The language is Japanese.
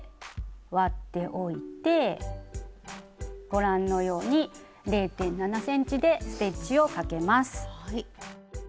ご覧のように０．７ｃｍでステッチをかけます。